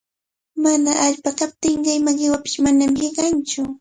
Mana allpa kaptinqa ima qiwapish manami hiqanmantsu.